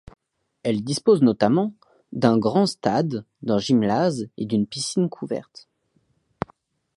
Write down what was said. Elle dispose notamment d'un grand stade, d'un gymnase et d'une piscine couverte.